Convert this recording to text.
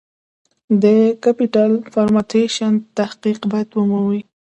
د Capital Formation تحقق باید ومومي.